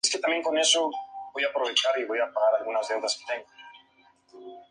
Tras grabar este álbum, Chuck Biscuits abandonó la banda.